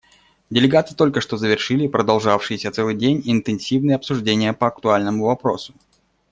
Делегаты только что завершили продолжавшиеся целый день интенсивные обсуждения по актуальному вопросу.